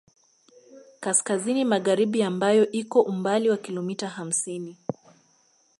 Kaskazini magharibi ambayo iko umbali wa kilomita hamsini